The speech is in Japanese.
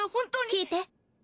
聞いて。